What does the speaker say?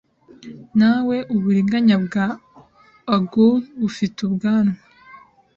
Na we Uburiganya bwa Augur bufite ubwanwa